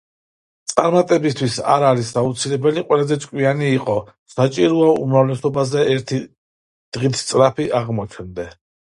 „წარმატებისთვის არ არის აუცილებელი ყველაზე ჭკვიანი იყო, საჭიროა, უმრავლესობაზე ერთი დღით სწრაფი აღმოჩნდე.”